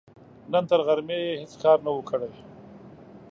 نن تر غرمې يې هيڅ کار نه و، کړی.